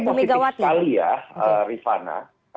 buat saya positif sekali ya rifana